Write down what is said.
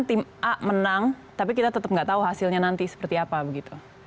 tim a menang tapi kita tetap nggak tahu hasilnya nanti seperti apa begitu